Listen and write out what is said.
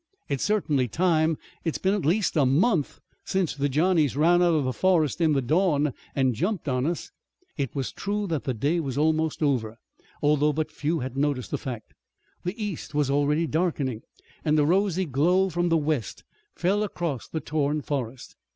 "It's certainly time. It's been at least a month since the Johnnies ran out of the forest in the dawn, and jumped on us." It was true that the day was almost over, although but few had noticed the fact. The east was already darkening, and a rosy glow from the west fell across the torn forest.